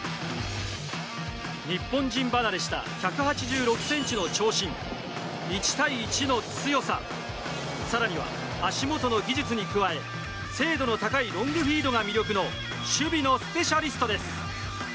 日本人離れした１８６ｃｍの長身１対１の強さ更には足元の技術に加え精度の高いロングフィードが魅力の守備のスペシャリストです。